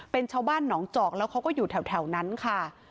เป็นชาวบ้านหนองจอกแล้วเขาก็อยู่แถวนั้นค่ะ